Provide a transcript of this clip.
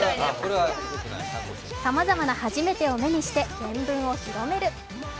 さまざまな初めてを目にして見聞を広める。